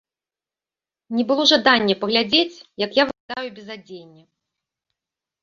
Не было жадання паглядзець, як я выглядаю без адзення.